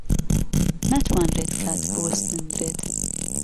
ناتوانرێت کات بوەستێنرێت.